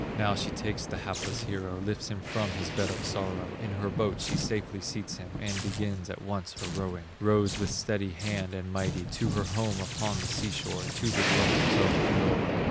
Now she takes the hapless hero, Lifts him from his bed of sorrow, In her boat she safely seats him, And begins at once her rowing, Rows with steady hand and mighty To her home upon the sea shore, To the dwellings of Pohyola.